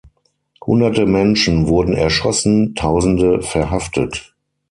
Hunderte Menschen wurden erschossen, Tausende verhaftet.